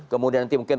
kemudian nanti mungkin